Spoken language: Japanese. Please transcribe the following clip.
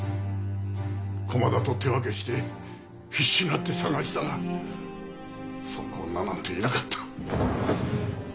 駒田と手分けして必死になって捜したがそんな女なんていなかった。